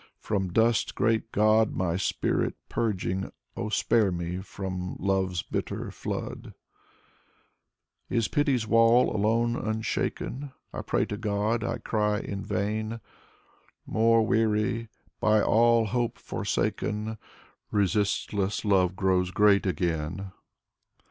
From dust, great God, my spirit purging. Oh, spare me from love's bitter flood ! Is pity's wall alone unshaken? I pray to God, I cry in vain. More weary, by all hope forsaken; Resistless love grows great again.